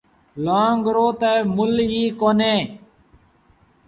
لونگ رو تا مُل ئي ڪونهي۔